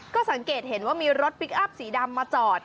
ก็สังเกตเห็นว่ามีรถพลิกอัพสีดำมาจอด